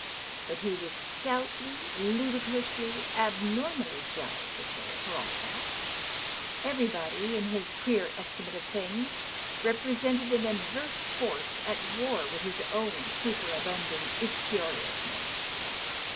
But he was stoutly, ludicrously, abnormally jealous of her, for all that. Everybody, in his queer estimate of things, repre sented an adverse force, at war with his own superabundant uxorious ness.